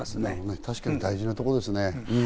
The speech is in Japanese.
確かに大事なところですね。